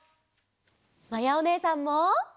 まやおねえさんも。